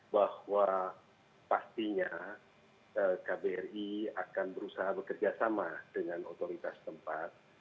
bahwa pastinya kbri akan berusaha bekerja sama dengan otoritas tempat